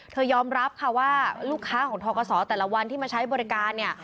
ยอมรับค่ะว่าลูกค้าของทกศแต่ละวันที่มาใช้บริการเนี่ย